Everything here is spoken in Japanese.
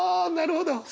なるほど。